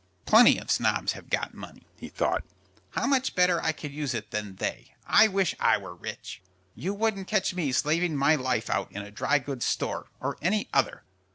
"Plenty of snobs have got money," he thought. "How much better I could use it than they! I wish I were rich! You wouldn't catch me slaving my life out in a dry goods store, or any other."